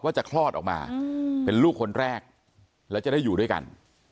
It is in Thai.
จะคลอดออกมาเป็นลูกคนแรกแล้วจะได้อยู่ด้วยกัน